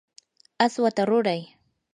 aswata ruray.